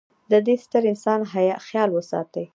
د د ې ستر انسان خیال وساتي.